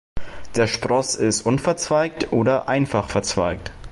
Der Spross ist unverzweigt oder einfach verzweigt.